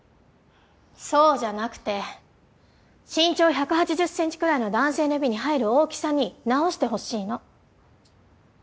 そうじゃなくて身長１８０ｃｍくらいの男性の指に入る大きさに直してほしいの。